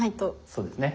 そうですね。